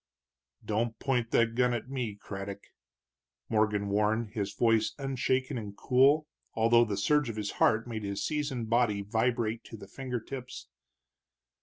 "Don't point that gun at me, Craddock!" Morgan warned, his voice unshaken and cool, although the surge of his heart made his seasoned body vibrate to the finger tips.